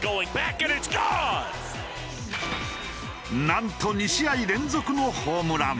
なんと２試合連続のホームラン。